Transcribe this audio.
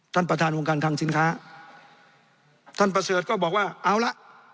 ท่านประธานวงการทางสินค้าท่านประเสริฐก็บอกว่าเอาละ